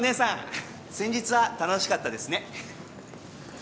先日は楽しかったですね。